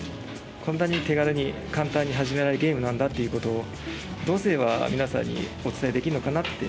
こんなに手軽に簡単に始められるゲームなんだ」っていうことをどうすればみなさんにお伝えできるのかなって。